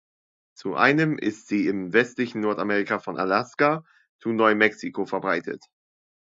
Zum einen ist sie im westlichen Nordamerika von Alaska to Neumexiko verbreitet.